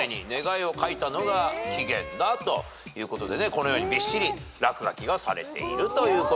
このようにびっしり落書きがされているということで。